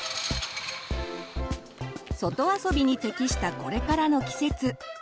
外遊びに適したこれからの季節。